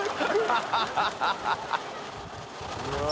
ハハハ